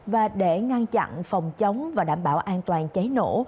và để ngăn chặn phòng chống và đảm bảo an toàn cháy nổ